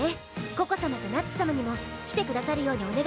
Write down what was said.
ココ様とナッツ様にも来てくださるようにお願いしておくわ。